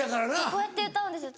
こうやって歌うんですよ